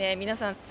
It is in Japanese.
皆さん